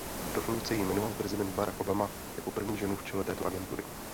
Do funkce ji jmenoval prezident Barack Obama jako první ženu v čele této agentury.